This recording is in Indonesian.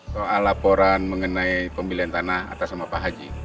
soal laporan mengenai pembelian tanah atas nama pak haji